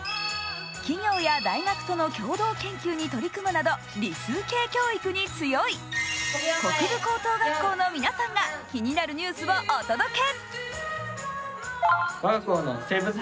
企業や大学との共同研究に取り組むなど理数系教育に強い国分高等学校の皆さんが気になるニュースをお届け！